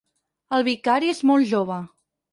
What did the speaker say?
El vicari és molt jove.